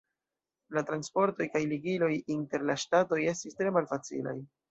La transportoj kaj ligiloj inter la ŝtatoj estis tre malfacilaj.